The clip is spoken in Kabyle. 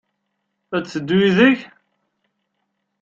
Ad d-teddu yid-k?